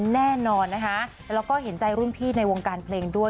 แล้วก็เห็นใจรุ่นพี่ในวงการเพลงด้วย